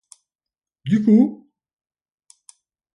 Du coup.